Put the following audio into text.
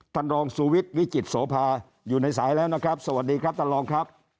ท่านรองสุวิทย์วิจิตโสภาอยู่ในสายแล้วนะครับสวัสดีครับท่านรองครับ